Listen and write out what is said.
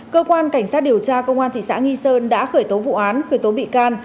cơ quan cảnh sát điều tra công an thị xã nghi sơn đã khởi tố vụ án khởi tố bị can